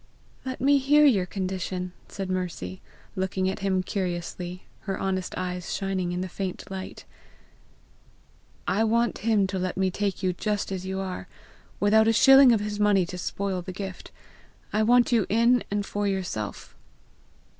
"Let me hear your condition," said Mercy, looking at him curiously, her honest eyes shining in the faint light. "I want him to let me take you just as you are, without a shilling of his money to spoil the gift. I want you in and for yourself."